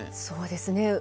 そうですね。